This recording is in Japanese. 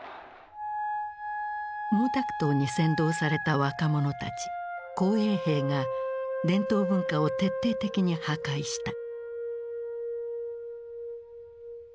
毛沢東に扇動された若者たち・紅衛兵が伝統文化を徹底的に破壊した。